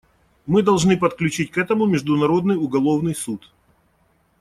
Мы должны подключить к этому Международный уголовный суд.